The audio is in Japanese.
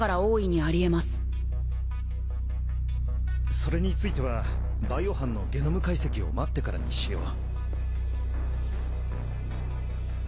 それについてはバイオ班のゲノム解析を待ってからにしよう。